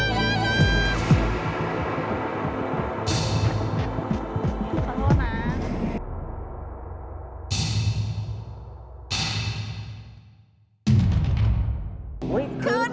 ขึ้นเวียน